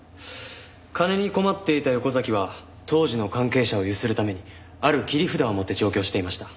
金に困っていた横崎は当時の関係者をゆするためにある切り札を持って上京していました。